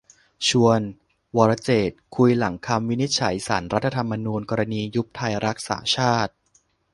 ชวน 'วรเจตน์' คุยหลังคำวินิจฉัยศาลรัฐธรรมนูญ กรณียุบไทยรักษาชาติ